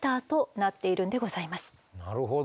なるほど。